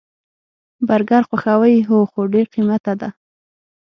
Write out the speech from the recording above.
برګر خوښوئ؟ هو، خو ډیر قیمته ده